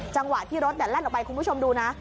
จังหวะที่รถแล่นออกไปคุณผู้ชมดูนะ